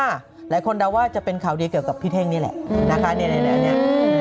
หลายคนเดาว่าจะเป็นข่าวดีเกี่ยวกับพี่เท่งนี่แหละนะคะเนี่ยอันนี้